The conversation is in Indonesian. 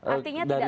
tapi ini dari tiga